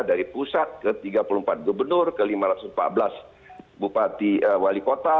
dari pusat ke tiga puluh empat gubernur ke lima ratus empat belas bupati wali kota